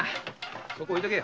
そこ置いとけよ。